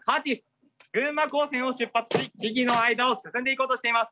群馬高専を出発し木々の間を進んでいこうとしています。